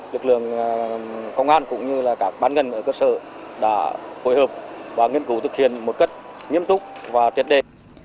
lực lượng công an cũng như các bán gần ở cơ sở đã phối hợp và nghiên cứu thực hiện một cách nghiêm túc và triệt đề